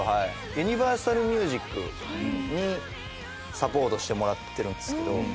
ユニバーサルミュージックにサポートしてもらってるんですけど。